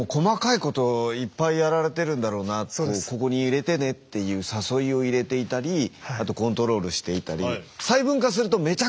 ここに入れてねっていう誘いを入れていたりあとコントロールしていたり。